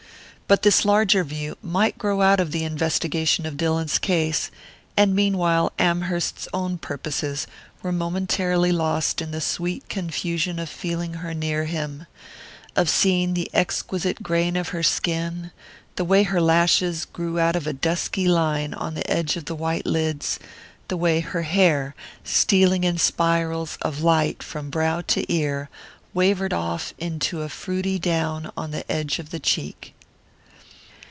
But this larger view might grow out of the investigation of Dillon's case; and meanwhile Amherst's own purposes were momentarily lost in the sweet confusion of feeling her near him of seeing the exquisite grain of her skin, the way her lashes grew out of a dusky line on the edge of the white lids, the way her hair, stealing in spirals of light from brow to ear, wavered off into a fruity down on the edge of the cheek.